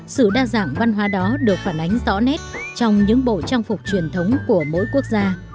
sự đa dạng văn hóa đó được phản ánh rõ nét trong những bộ trang phục truyền thống của mỗi quốc gia